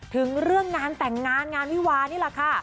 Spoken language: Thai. ถึงเรื่องงานแต่งงานงานวิวานี่แหละค่ะ